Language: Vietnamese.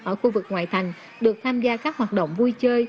ở khu vực ngoại thành được tham gia các hoạt động vui chơi